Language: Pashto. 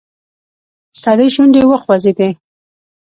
سړي شونډې وخوځېدې.